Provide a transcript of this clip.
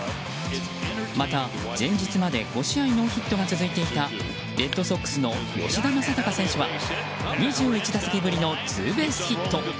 また、前日まで５試合ノーヒットが続いていたレッドソックスの吉田正尚選手は２１打席ぶりのツーベースヒット。